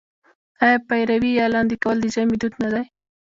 آیا پېروی یا لاندی کول د ژمي دود نه دی؟